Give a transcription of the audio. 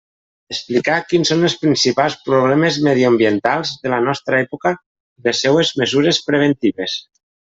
Explicar quins són els principals problemes mediambientals de la nostra època i les seues mesures preventives.